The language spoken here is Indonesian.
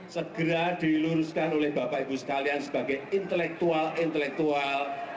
segera diluruskan oleh bapak ibu sekalian sebagai intelektual intelektual